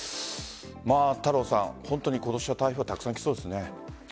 太郎さん、今年台風、たくさん来そうですね。